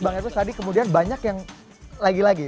bang edrus tadi kemudian banyak yang lagi lagi